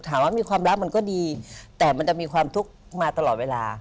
ถามว่ามีความรักมันก็ดีแต่มันจะมีความทุกข์มาตลอดเวลา